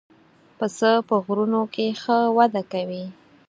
پسه په غرونو کې ښه وده کوي.